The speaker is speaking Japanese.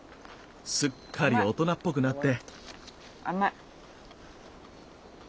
すっかり大人っぽくなって。